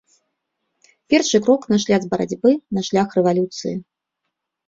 Першы крок на шлях барацьбы, на шлях рэвалюцыі.